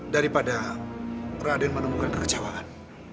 daripada raden menemukan kekecewaan